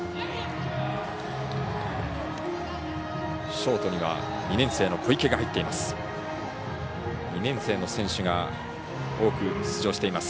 ショートには２年生の小池が入っています。